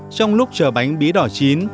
trong lúc chờ bánh bí đỏ chín